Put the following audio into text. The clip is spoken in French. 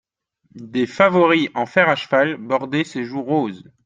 Des favoris en fer a cheval bordaient ses joues roses.